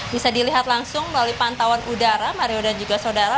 bisa dilihat langsung melalui pantauan udara mario dan juga saudara